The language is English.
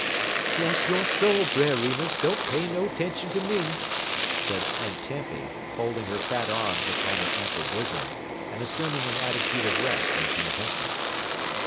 "Bless yo' soul, Brer Remus, don't pay no 'tention ter me," said Aunt Tempy, folding her fat arms upon her ample bosom, and assuming an attitude of rest and contentment.